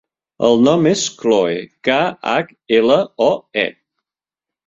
El nom és Khloe: ca, hac, ela, o, e.